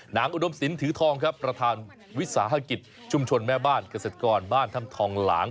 อุดมศิลปถือทองครับประธานวิสาหกิจชุมชนแม่บ้านเกษตรกรบ้านถ้ำทองหลาง